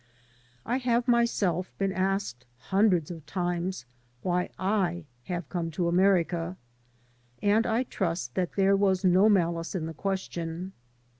I have myself been asked hundreds of times why I have come to America, and I trust that there was no ' malice in the question.